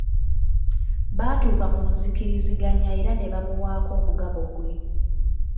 Baatuuka ku nzikiriziganya era ne bamuwaako omugabo gwe.